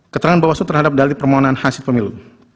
keterangan bawaslu terhadap dali permohonan hasil pemilu